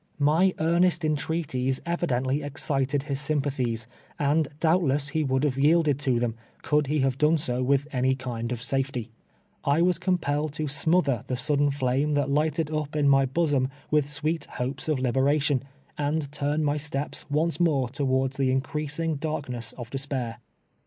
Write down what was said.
]Mj earnest entreaties evidentlv excited bis sympatbies, and doubtless be would bave yielded to tbem, could be bave done so Avitb any kind of safety, I was compelled to sraotber tbe sudden flame tbat ligbted up my bosom witb sweet bopes of liberation, and turn my steps once more towards tbe increasing darkness of despair.